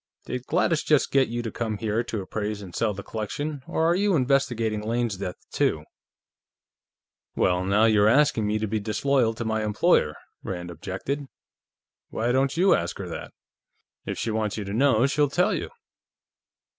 Did Gladys just get you to come here to appraise and sell the collection, or are you investigating Lane's death, too?" "Well, now, you're asking me to be disloyal to my employer," Rand objected. "Why don't you ask her that? If she wants you to know, she'll tell you."